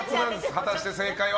果たして正解は？